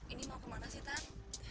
ini mau kemana sih tan